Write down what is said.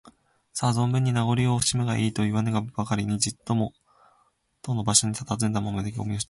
「さあ、ぞんぶんに名ごりをおしむがいい」といわぬばかりに、じっともとの場所にたたずんだまま、腕組みをしています。